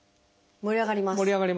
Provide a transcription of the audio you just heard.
盛り上がりますね。